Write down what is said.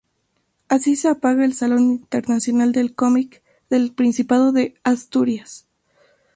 Así se apaga el Salón Internacional del Cómic del Principado de Asturias.